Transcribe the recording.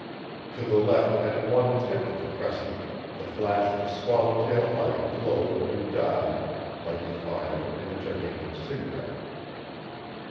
To the left at one tip of the crescent the flash of Swallowtail Light glowed and died like the fire in a gigantic cigarette.